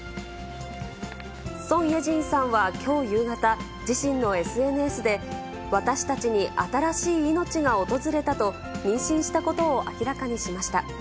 ソン・イェジンさんは、きょう夕方、自身のＳＮＳで、私たちに新しい命が訪れたと、妊娠したことを明らかにしました。